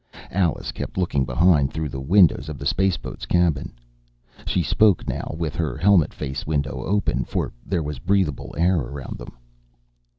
Alice kept looking behind through the windows of the spaceboat's cabin. She spoke, now, with her helmet face window open, for there was breathable air around them.